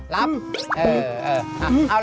ระบ